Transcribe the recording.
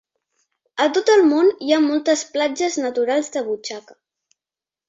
A tot el món hi ha moltes platges naturals de butxaca.